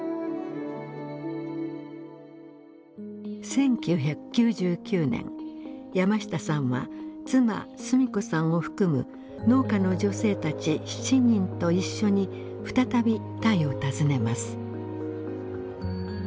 １９９９年山下さんは妻須美子さんを含む農家の女性たち７人と一緒に再びタイを訪ねます。